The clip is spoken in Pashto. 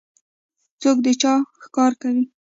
څوک د چا ښکار کوي؟